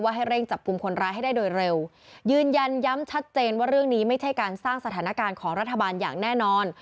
ให้เร่งจับกลุ่มคนร้ายให้ได้โดยเร็วยืนยันย้ำชัดเจนว่าเรื่องนี้ไม่ใช่การสร้างสถานการณ์ของรัฐบาลอย่างแน่นอน